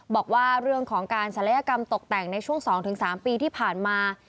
บอกว่าเรื่องของการศัลยกรรมตกแต่งในช่วง๒๓ปีที่ผ่านมา